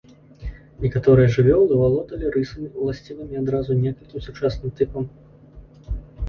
Некаторыя жывёлы, валодалі рысамі, уласцівымі адразу некалькім сучасным тыпам.